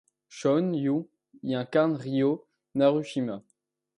Shawn Yue y incarne Ryô Narushima.